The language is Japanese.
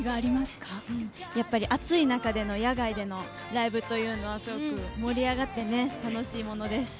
暑い中での野外のライブというのは盛り上がって楽しいものです。